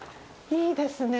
いいですね